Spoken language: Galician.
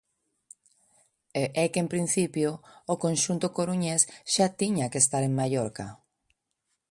E é que en principio, o conxunto coruñés xa tiña que estar en Mallorca.